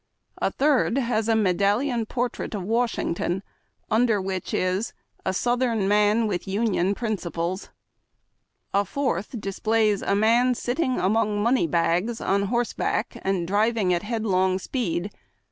'' A tliird has a medallion portrait of Washington, under which is, "A Southern Man avith Union Peinci PLES." A fourth displays a man sitting among money bags, on horseback, and driving at headlong speed.